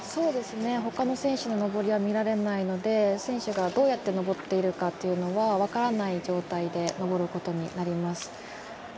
他の選手の登りは見られないので、選手がどうやって登っているのかっていうのは分からない状態で登ることになります。